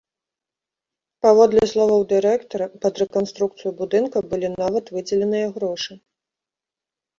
Паводле словаў дырэктара, пад рэканструкцыю будынка былі нават выдзеленыя грошы.